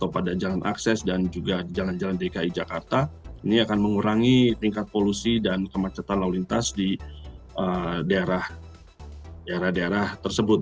pada jalan akses dan juga jalan jalan dki jakarta ini akan mengurangi tingkat polusi dan kemacetan lalu lintas di daerah daerah tersebut